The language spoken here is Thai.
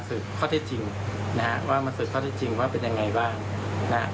สื่อข้อที่จริงว่ามันเป็นอย่างไรบ้าง